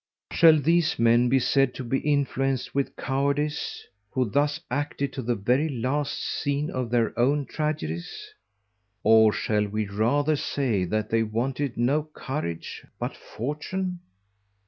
Shall these men be said to be influenced with Cowardize, who thus acted to the very last_ Scene of their own Tragedies? _Or shall we rather say that they wanted no Courage, but Fortune?